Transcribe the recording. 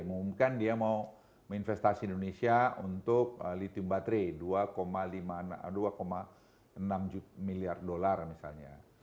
mengumumkan dia mau investasi indonesia untuk lithium baterai dua enam miliar dolar misalnya